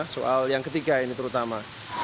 soal yang ketiga ini terutama